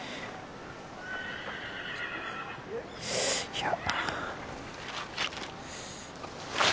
いや。